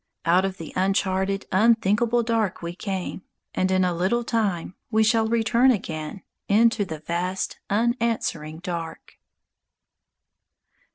_Out of the uncharted, unthinkable dark we came, And in a little time we shall return again Into the vast, unanswering dark.